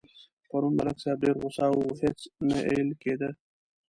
پرون ملک صاحب ډېر غوسه و هېڅ نه اېل کېدا.